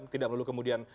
tidak perlu kemudian